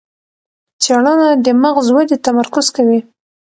څېړنه د مغز ودې تمرکز کوي.